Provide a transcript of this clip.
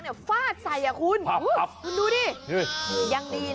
นั่นเลย